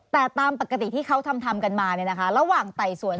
แต่ตามปกติที่เขาทำกันมาระหว่างไต่สวน